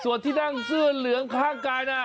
ส่วนที่นั่งเสื้อเหลืองข้างกายน่ะ